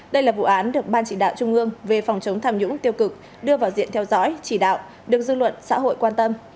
đây là vụ án được ban chỉ đạo trung ương về phòng chống tham nhũng tiêu cực đưa vào diện theo dõi chỉ đạo được dư luận xã hội quan tâm